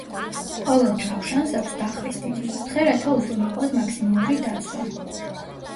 ყოველ ჯავშანს აქვს დახრის დიდი კუთხე, რათა უზრუნველყოს მაქსიმალური დაცვა.